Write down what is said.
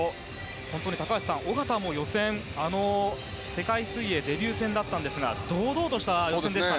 本当に高橋さん、小方も予選で世界水泳デビュー戦でしたが堂々とした予選でしたね。